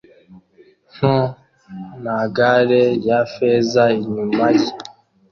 nto na gare ya feza inyuma ye